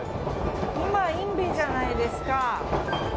今、伊部じゃないですか。